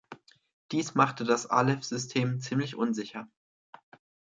Dies machte das Aleph-System ziemlich unsicher.